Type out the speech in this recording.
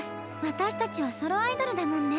私たちはソロアイドルだもんね。